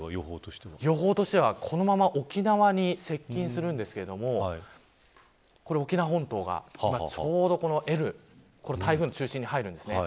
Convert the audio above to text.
予報としては、このまま沖縄に接近するんですけども沖縄本島が今ちょうどこのＬ台風の中心に入るんですね。